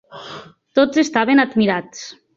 Tots estaven admirats.